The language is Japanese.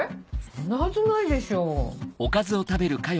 そんなはずないでしょう。